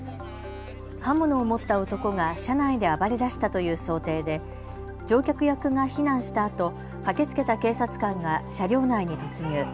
刃物を持った男が車内で暴れだしたという想定で乗客役が避難したあと、駆けつけた警察官が車両内に突入。